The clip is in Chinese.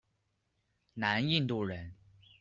南印度人。